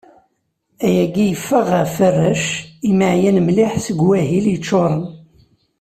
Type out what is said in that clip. Ayagi yeffeɣ ɣef warrac, imi εyan mliḥ seg wahil yeččuṛen.